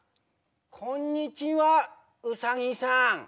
こんにちはウサギさん。